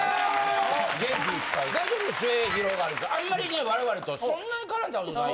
すゑひろがりずあんまりね我々とそんなに絡んだことない。